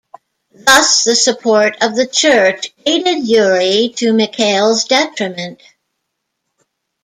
Thus the support of the Church aided Yury to Mikhail's detriment.